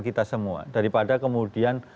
kita semua daripada kemudian